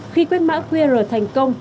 khi quét mã qr thành công